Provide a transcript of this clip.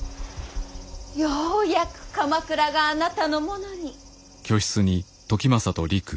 ようやく鎌倉があなたのものに。